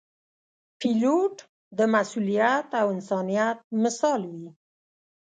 پیلوټ د مسؤلیت او انسانیت مثال وي.